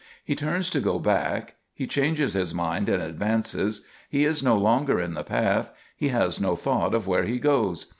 He turns to go back. He changes his mind and advances. He is no longer in the path. He has no thought of where he goes.